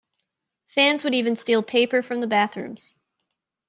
Fans would even steal paper from the bathrooms.